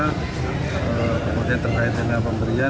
kemudian terkait dengan pemberian